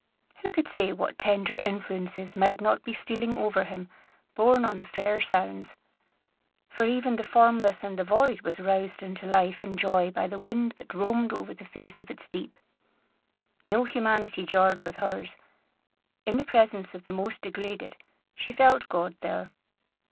Who could say what tender influences might not be stealing over him, borne on the fair sounds? for even the formless and the void was roused into life and joy by the wind that roamed over the face of its deep. No humanity jarred with hers. In the presence of the most degraded, she felt God there.